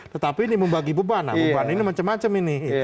tetapi ini membagi beban nah beban ini macam macam ini